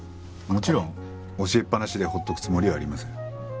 もちろん教えっぱなしで放っとくつもりはありません。